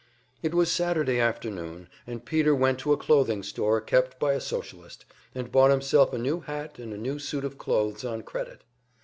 It was Saturday afternoon, and Peter went to a clothing store kept by a Socialist, and bought himself a new hat and a new suit of clothes on credit.